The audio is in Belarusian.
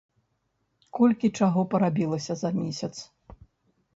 Колькі чаго парабілася за месяц!